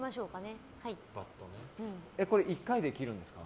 １回で切るんですか？